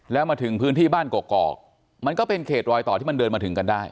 แล้วมาถึงพื้นที่บ้านกอกมันก็เป็นเขตรอยต่อที่มันเดินมาถึงกันได้